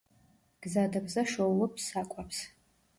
გზადაგზა შოულობს საკვებს.